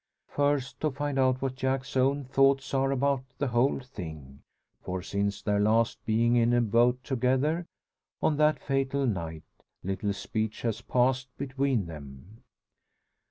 First, to find out what Jack's own thoughts are about the whole thing. For since their last being in a boat together, on that fatal night, little speech has passed between them.